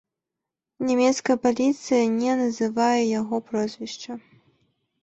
Нямецкая паліцыя не называе яго прозвішча.